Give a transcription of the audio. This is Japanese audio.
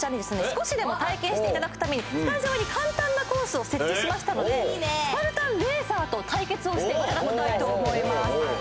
少しでも体験していただくためにスタジオに簡単なコースを設置しましたのでスパルタンレーサーと対決をしていただきたいと思います